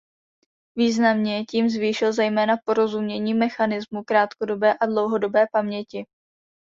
Významně tím zvýšil zejména porozumění mechanismu krátkodobé a dlouhodobé paměti.